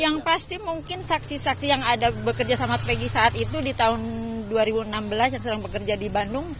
yang pasti mungkin saksi saksi yang ada bekerja sama peggy saat itu di tahun dua ribu enam belas yang sedang bekerja di bandung